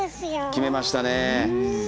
決めましたね。